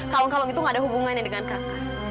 kalung kalung itu nggak ada hubungannya dengan kakak